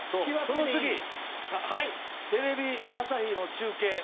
その次テレビ朝日の中継